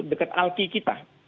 dekat alki kita